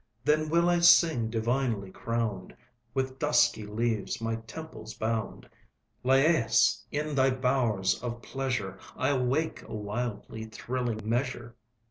Then will I sing divinely crown'd, With dusky leaves my temples bound Lyæus! in thy bowers of pleasure, I'll wake a wildly thrilling measure.